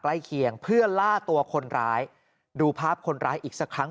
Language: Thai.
ใกล้เคียงเพื่อล่าตัวคนร้ายดูภาพคนร้ายอีกสักครั้ง